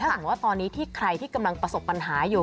สมมุติว่าตอนนี้ที่ใครที่กำลังประสบปัญหาอยู่